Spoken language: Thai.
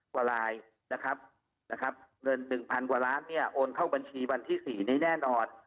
๑๐๐๐กว่าล้านบาทนี่โอนเข้าบัญชีวันที่๔นี้แน่นอด